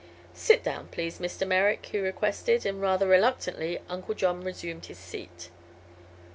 "Sit down, please, Mr. Merrick," he requested, and rather reluctantly Uncle John resumed his seat.